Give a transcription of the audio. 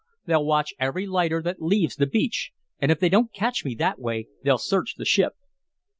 They'll watch every lighter that leaves the beach, and if they don't catch me that way, they'll search the ship."